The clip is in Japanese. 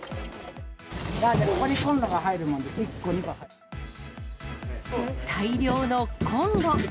ここにコンロが入るので、大量のコンロ。